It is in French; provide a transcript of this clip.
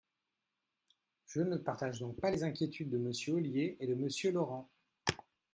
Je ne partage donc pas les inquiétudes de Monsieur Ollier et de Monsieur Laurent.